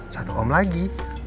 satu om lagi